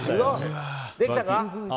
できたか？